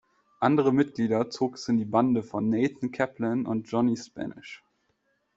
Andere Mitglieder zog es in die Bande von Nathan Kaplan und Johnny Spanish.